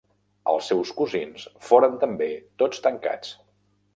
Els seus cosins foren també tots tancats.